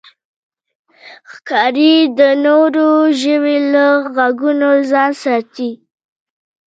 ښکاري د نورو ژویو له غږونو ځان ساتي.